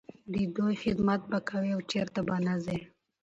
د دوی خدمت به کوې او چرته به نه ځې.